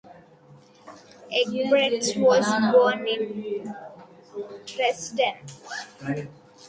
Eggebrecht was born in Dresden.